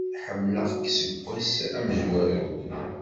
Ḥemmleɣ-k seg ass amezwaru.